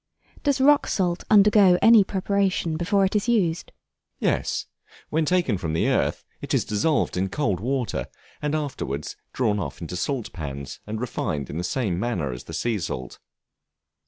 Does Rock Salt undergo any preparation before it is used? Yes; when taken from the earth it is dissolved in cold water, and afterwards drawn off into salt pans, and refined in the same manner as the sea salt.